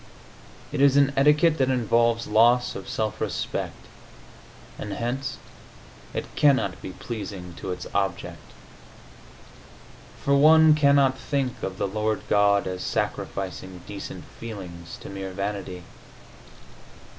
It is an etiquette that involves loss of self respect, and hence it cannot be pleasing to its object, for one cannot think of the Lord God as sacrificing decent feelings to mere vanity.